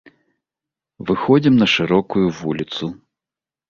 Выходзім на шырокую вуліцу.